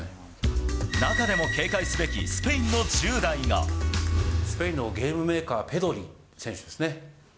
中でも警戒すべきスペインのスペインのゲームメーカー、ペドリ選手ですね。